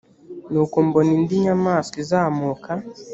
nuko mbona indi nyamaswa izamuka